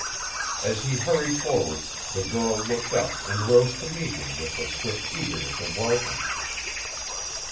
As he hurried forward the girl looked up and rose to meet him with a swift eagerness of welcome.